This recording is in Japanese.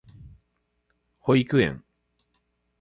保育園